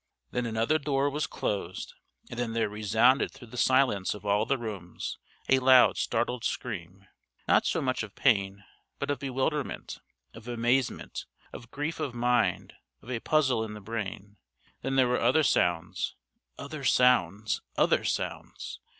Then another door was closed, and then there resounded through the silence of all the rooms a loud startled scream; not so much of pain but of bewilderment, of amazement, of grief of mind, of a puzzle in the brain. Then there were other sounds, other sounds, other sounds.